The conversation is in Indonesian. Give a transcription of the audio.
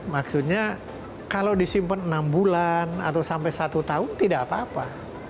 maksudnya kalau disimpan enam bulan atau sampai satu tahun tidak apa apa